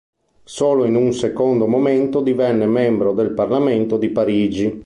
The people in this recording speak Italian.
Solo in un secondo momento divenne membro del Parlamento di Parigi.